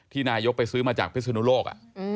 นายกไปซื้อมาจากพิศนุโลก